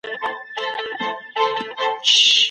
مشرانو د کلیو ستونزي حل کولې.